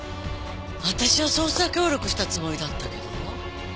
私は捜査協力したつもりだったけど。